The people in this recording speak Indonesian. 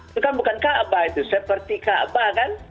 itu kan bukan ka'bah itu seperti ka'bah kan